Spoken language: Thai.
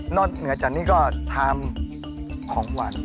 นอกจากนี้ก็ทำของหวาน